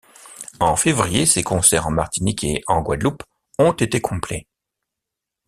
En février, ses concerts en Martinique et en Guadeloupe ont été complets.